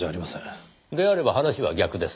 であれば話は逆です。